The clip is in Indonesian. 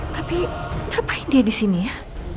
tapi ngapain dia disini ya